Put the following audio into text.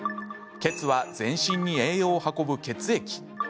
血は全身に栄養を運ぶ血液。